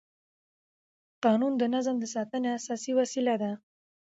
قانون د نظم د ساتنې اساسي وسیله ده.